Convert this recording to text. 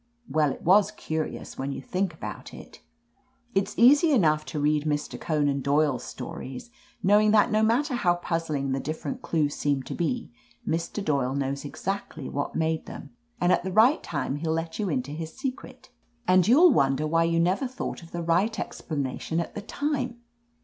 Well, it was curious, when you think about it. It's easy enough to read Mr, Conan Doyle's stories, knowing that no matter how puzzling the different clues seem to be, Mr. Doyle knows exactly what made them, and at the right time he'll let you into his secret, and you'll wonder why you never thought of the right explanation at the time.